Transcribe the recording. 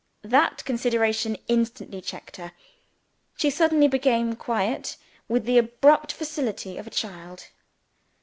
That consideration instantly checked her. She suddenly became quiet, with the abrupt facility of a child.